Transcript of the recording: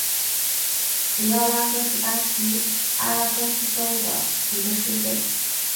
里奥拉戈是巴西阿拉戈斯州的一个市镇。